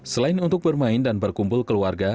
selain untuk bermain dan berkumpul keluarga